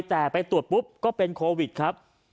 แต่ไปตรวจปุ๊บก็เป็นโควิดครับ